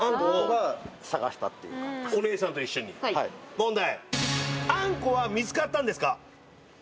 問題。